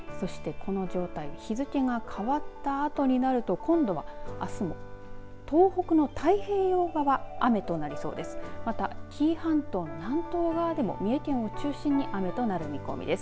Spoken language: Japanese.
そしてこの状態日付が変わったあとになると今度はあすも東北の太平洋側雨となりそうです。